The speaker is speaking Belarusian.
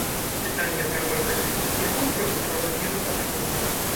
Пытанне пра колькасць выпускнікоў прагучала невыпадкова.